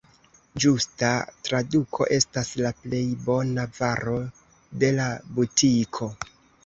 Ĝusta traduko estas «la plej bona varo de la butiko».